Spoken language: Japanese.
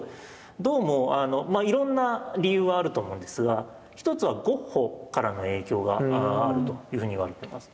どうもあのいろんな理由はあると思うんですが１つはゴッホからの影響があるというふうに言われています。